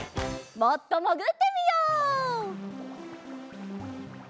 もっともぐってみよう。